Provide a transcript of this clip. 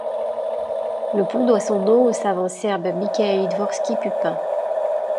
Le pont doit son nom au savant serbe Michael Idvorsky Pupin.